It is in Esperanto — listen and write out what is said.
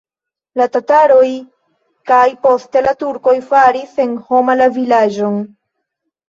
La tataroj kaj poste la turkoj faris senhoma la vilaĝon.